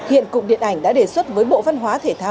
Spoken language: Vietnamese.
hiện cụng điện ảnh đã đề xuất với bộ phân hóa thể thái